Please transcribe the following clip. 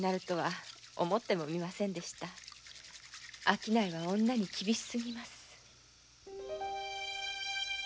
商いは女に厳しすぎます。